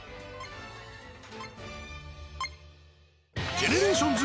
ＧＥＮＥＲＡＴＩＯＮＳ